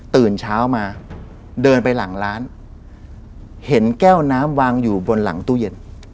ตื่นเช้ามาเดินไปหลังร้านเห็นแก้วน้ำวางอยู่บนหลังตู้เย็น